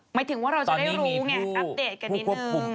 หมายถึงว่าเราจะได้รู้ไงอัปเดตกันนิดนึง